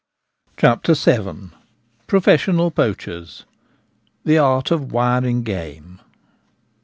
CHAPTER VII. PROFESSIONAL POACHERS. — THE ART OF WIRING GAME.